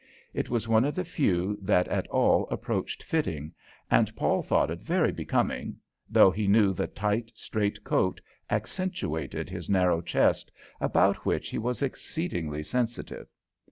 It was one of the few that at all approached fitting, and Paul thought it very becoming though he knew the tight, straight coat accentuated his narrow chest, about which he was exceedingly sensitive.